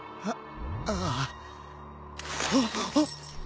あっ！